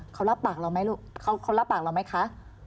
เขารับปากเราไหมลูกเขารับปากเราไหมคะ